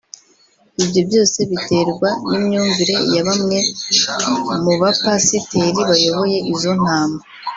Ibyo byose biterwa n’imyumvire ya bamwe mu bapasiteri bayoboye izo ntama